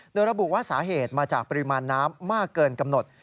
โดยระบุว่าสาเหตุมาจากปริมาณน้ำมากเกินกำหนด